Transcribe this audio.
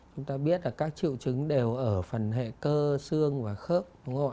chúng ta biết là các triệu chứng đều ở phần hệ cơ xương khớp